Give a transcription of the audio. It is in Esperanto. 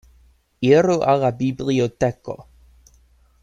Iru al la biblioteko.